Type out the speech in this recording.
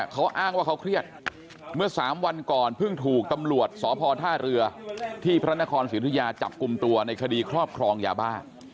เขาอ้างว่าเขาเครียดเมื่อ๓วันก่อนเพิ่งถูกตำรวจสพท่าเรือที่พระนครศิริยาจับกลุ่มตัวในคดีครอบครองยาบ้า